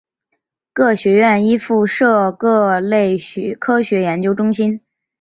各学院亦附设各类科学研究中心。